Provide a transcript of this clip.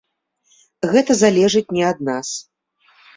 Гэта залежыць не ад нас.